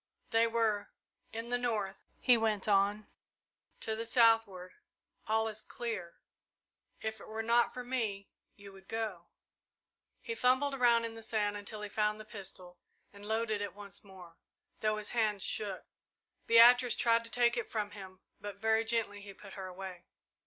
"They were in the north," he went on. "To the southward all is clear. If it were not for me you would go." He fumbled around in the sand until he found the pistol and loaded it once more, though his hands shook. Beatrice tried to take it from him, but very gently he put her away.